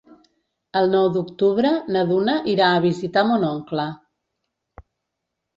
El nou d'octubre na Duna irà a visitar mon oncle.